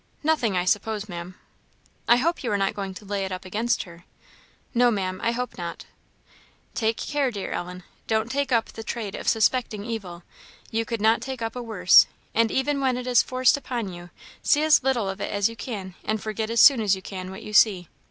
"Nothing, I suppose, Maam." "I hope you are not going to lay it up against her?" "No, Maam, I hope not." "Take care, dear Ellen don't take up the trade of suspecting evil; you could not take up a worse; and even when it is forced upon you, see as little of it as you can, and forget as soon as you can what you see.